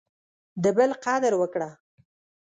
د بل قدر وکړه.